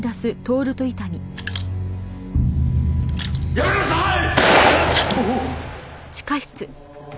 やめなさい！